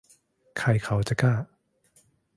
ใครเขาจะกล้า